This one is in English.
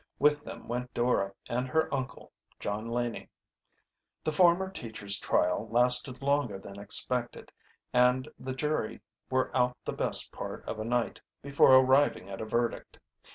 With them went Dora and her uncle, John Laning. The former teacher's trial lasted longer than expected, and the jury were out the best part of a night before arriving at a verdict.